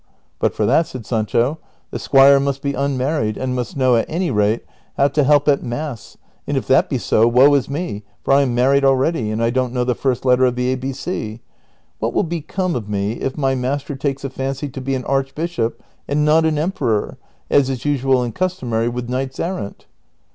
" But for that," said Sancho, " the squire must be unmarried, and must know, at any rate, how to help at Mass, and if that be so, woe is me, for I am married already and I don't know the first letter of the ABC. What will become of me if my master takes a fancy to be an archbishop and not an emperor, as is usual and customary with knights errant